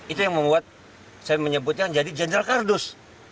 itu yang membuat saya menyebutnya jadi general kardus